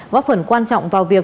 góp phần quan trọng vào việc